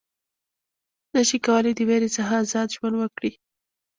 نه شي کولای د وېرې څخه آزاد ژوند وکړي.